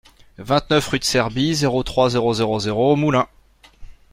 vingt-neuf rue de Serbie, zéro trois, zéro zéro zéro, Moulins